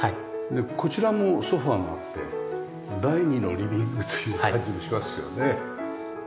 でこちらもソファがあって第２のリビングという感じもしますよね。